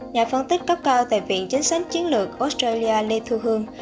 nhà phân tích cấp cao tại viện chính sách chiến lược australia lê thu hương